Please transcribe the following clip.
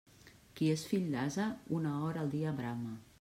Qui és fill d'ase, una hora al dia brama.